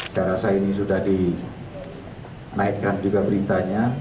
saya rasa ini sudah dinaikkan juga beritanya